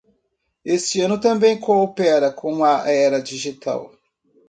Este ano também coopera com a era digital